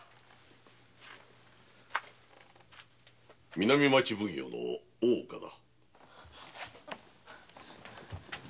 南町奉行の大岡だ。